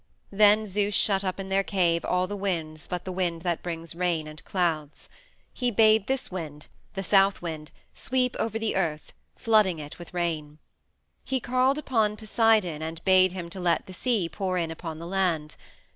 Then Zeus shut up in their cave all the winds but the wind that brings rain and clouds. He bade this wind, the South Wind, sweep over the earth, flooding it with rain. He called upon Poseidon and bade him to let the sea pour in upon the land.